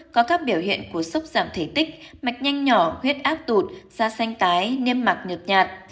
có các biểu hiện của sốc giảm thể tích mạch nhanh nhỏ huyết áp tụt da xanh tái niêm mạc nhộp nhạt